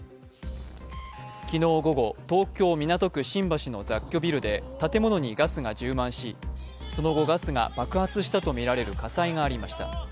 昨日午後、東京・港区新橋の雑居ビルで、建物にガスが充満し、その後ガスが爆発したとみられる火災がありました。